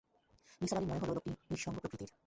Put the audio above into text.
নিসার আলির মনে হল, লোকটি নিঃসঙ্গ প্রকৃতির।